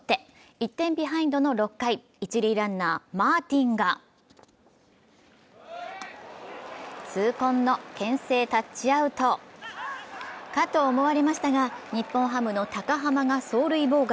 １点ビハインドの６回、一塁ランナー・マーティンが痛恨のけん制タッチアウトかと思われましたが、日本ハムの高濱が走塁妨害。